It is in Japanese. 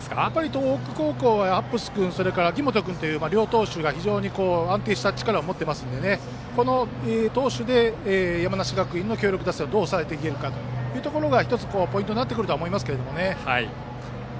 東北高校は、やはりハッブス君、秋本君という両投手が非常に安定した力を持っていますのでこの投手で山梨学院の強力打線をどう抑えていけるかが１つ、ポイントになってくるとは思いますけれどもね。